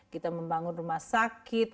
kita membangun rumah sakit